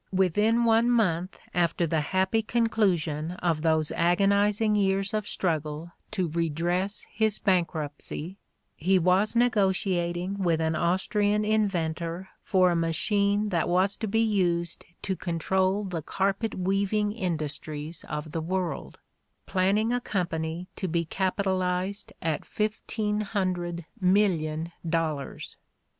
"Within one month after the happy conclusion of those agonizing years of struggle to re dress his bankruptcy, he was negotiating with an Aus trian inventor for a machine that was to be used to control the carpet weaving industries of the world, planning a company to be capitalized at fifteen hundred million dollars.